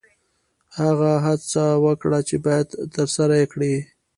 هغه څه وکړه چې باید ترسره یې کړې.